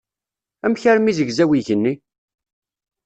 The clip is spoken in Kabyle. Amek armi zegzaw yigenni?